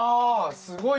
すごいな。